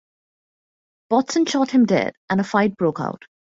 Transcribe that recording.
Bodson shot him dead, and a fight broke out.